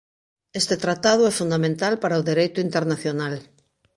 Este tratado é fundamental para o dereito internacional.